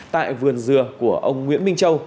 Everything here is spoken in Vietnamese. tại vườn dưa của ông nguyễn minh châu